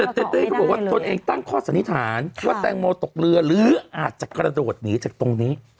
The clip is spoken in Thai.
แต่เต้เต้ก็บอกว่าตนเองตั้งข้อสันนิษฐานว่าแตงโมตกเรือหรืออาจจะกระโดดหนีจากตรงนี้